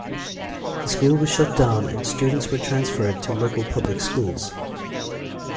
The school was shut down and students were transferred to local public schools.